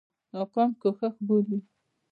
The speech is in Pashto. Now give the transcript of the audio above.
ناکام کوښښ بولي.